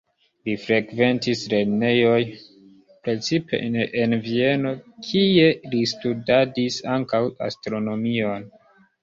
Li frekventis lernejojn precipe en Vieno, kie li studadis ankaŭ astronomion.